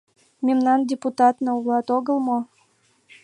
Мемнан депутатна улат огыл мо?